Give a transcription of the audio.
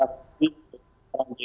dan kalau pasukan kalau pasukan satu lagi